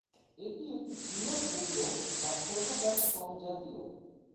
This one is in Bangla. এটি একটি বৃহৎ গুল্ম বা ছোট গাছ ফর্ম জাতীয়।